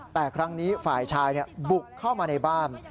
แต่ครั้งนี้ฝ่ายชายบุกเข้ามาในบ้าน